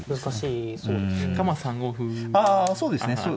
難しそうですね。